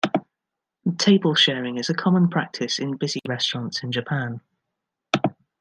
Table sharing is a common practice in busy restaurants in Japan.